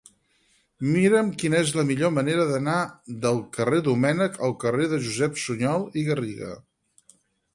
Mira'm quina és la millor manera d'anar del carrer de Domènech al carrer de Josep Sunyol i Garriga.